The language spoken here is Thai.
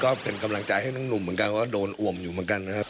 ก็เป็นกำลังใจให้น้องหนุ่มเหมือนกันว่าโดนอ่วมอยู่เหมือนกันนะครับ